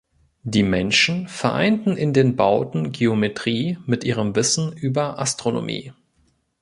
Die Menschen vereinten in den Bauten Geometrie mit ihrem Wissen über Astronomie.